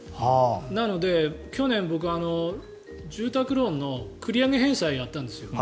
なので去年、僕は住宅ローンの繰り上げ返済をやったんですよ。